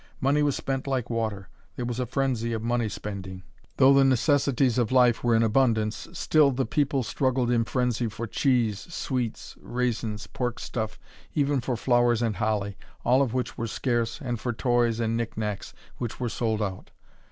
Money was spent like water, there was a frenzy of money spending. Though the necessities of life were in abundance, still the people struggled in frenzy for cheese, sweets, raisins, pork stuff, even for flowers and holly, all of which were scarce, and for toys and knick knacks, which were sold out.